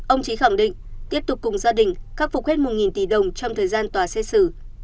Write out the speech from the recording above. ông trí khẳng định tiếp tục cùng gia đình khắc phục hết một tỷ đồng trong thời gian tòa xét xử